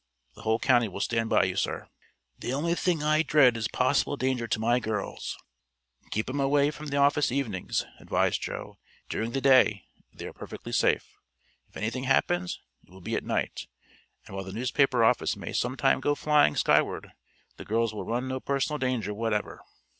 The whole county will stand by you, sir." "The only thing I dread is possible danger to my girls." "Keep 'em away from the office evenings," advised Joe. "During the day they are perfectly safe. If anything happens, it will be at night, and while the newspaper office may some time go flying skyward the girls will run no personal danger whatever."